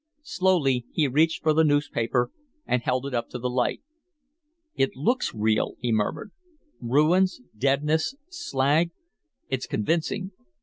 Slowly, he reached for the newspaper and held it up to the light. "It looks real," he murmured. "Ruins, deadness, slag. It's convincing.